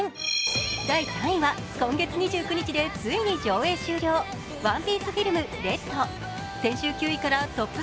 第３位は今月２９日でついに上映終了「ＯＮＥＰＩＥＣＥＦＩＬＭＲＥＤ」。